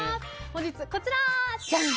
本日、こちら。